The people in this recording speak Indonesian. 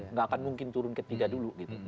nggak akan mungkin turun ke tiga dulu